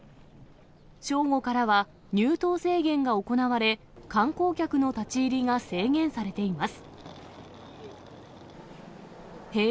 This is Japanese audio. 正午からは、入島制限が行われ、観光客の立ち入りが制限されています。